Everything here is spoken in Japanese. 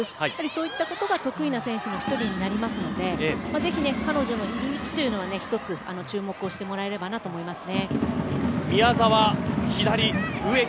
そういったことが得意な選手の１人になりますのでぜひ、彼女のいる位置に注目してほしいと思います。